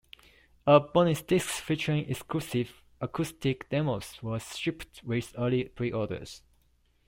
A bonus disc, featuring exclusive acoustic demos, was shipped with early pre-orders.